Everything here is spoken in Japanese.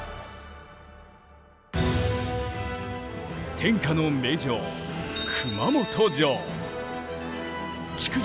天下の名城熊本城。